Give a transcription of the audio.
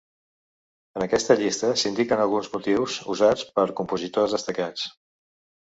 En aquesta llista s'indiquen alguns motius usats per compositors destacats.